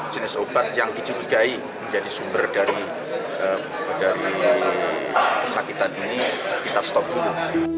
jenis obat yang dicubigai menjadi sumber dari kesakitan ini kita stop dulu